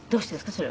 それは。